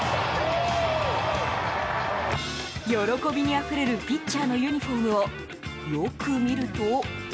喜びにあふれる、ピッチャーのユニホームをよく見ると。